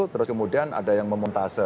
terus kemudian ada yang memuntase